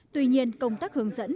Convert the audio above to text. tuy nhiên công tác hướng dẫn